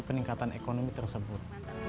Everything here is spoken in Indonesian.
peningkatan ekonomi tersebut